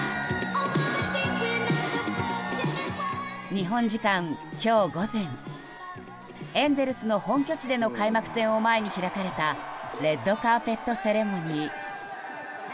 日本時間、今日午前エンゼルスの本拠地での開幕戦を前に開かれたレッドカーペットセレモニー。